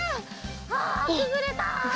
あくぐれた！